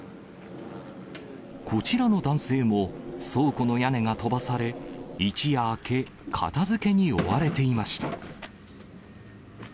こちらの男性も、倉庫の屋根が飛ばされ、一夜明け、片づけに追われていました。